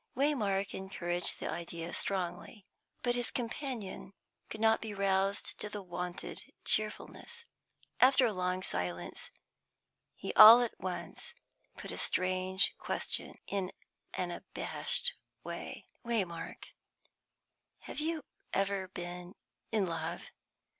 Waymark encouraged the idea strongly. But his companion could not be roused to the wonted cheerfulness. After a long silence, he all at once put a strange question, and in an abashed way. "Waymark, have you ever been in love?"